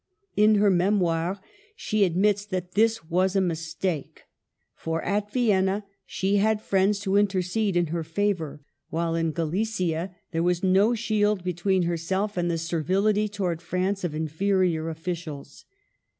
In her Memoirs she admits that this was a mis take ; for at Vienna she had friends to intercede in her favor, while in Galicia there was no shield between herself and the servility towards France of inferior officials.